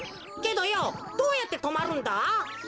けどよどうやってとまるんだ？